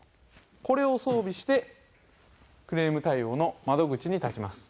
これを装備してクレーム対応の窓口に立ちます